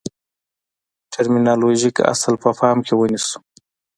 ټرمینالوژیک اصل په پام کې ونیسو.